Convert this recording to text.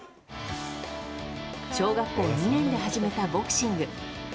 小学校２年で始めたボクシング。